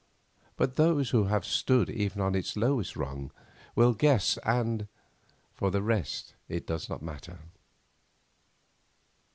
But those who have stood even on its lowest rung will guess, and—for the rest it does not matter.